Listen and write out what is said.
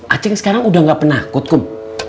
acing sekarang udah gak pernah kut kum